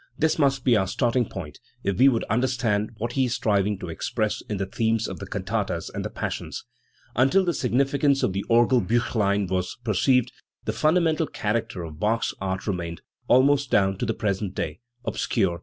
This must be our starting point if we would understand what he is striving to express in the themes of the cantatas and the Passions. Until the significance of the Orgelbuchlein was perceived, the funda mental character of Bach's art remained, almost down to the present day 3 obscure and disputable.